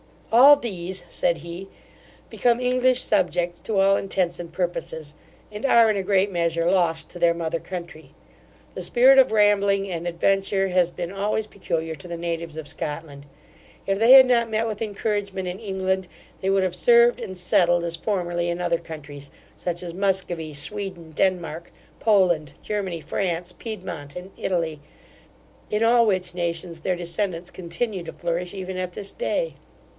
'All these (said he) become English subjects to all intents and purposes, and are in a great measure lost to their mother country. The spirit of rambling and adventure has been always peculiar to the natives of Scotland. If they had not met with encouragement in England, they would have served and settled, as formerly, in other countries, such as Muscovy, Sweden, Denmark, Poland, Germany, France, Piedmont, and Italy, in all which nations their descendants continue to flourish even at this day.